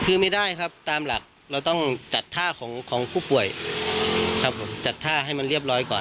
คือไม่ได้ครับตามหลักเราต้องจัดท่าของของผู้ป่วยครับผมจัดท่าให้มันเรียบร้อยก่อน